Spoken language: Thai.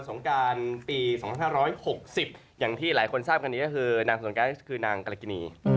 สงการปี๒๕๖๐อย่างที่หลายคนทราบกันนี้ก็คือนางสนแก๊สคือนางกรกินี